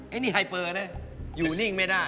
ไอ้นี่ไฮเปอร์เนี่ยอยู่นิ่งไม่ได้